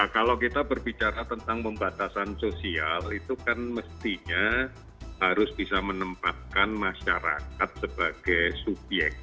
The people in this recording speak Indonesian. kalau kita berbicara tentang pembatasan sosial itu kan mestinya harus bisa menempatkan masyarakat sebagai subyek